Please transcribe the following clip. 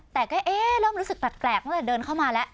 แต่ก็รู้สึกแปลกแล้วเดินเข้ามาแล้ว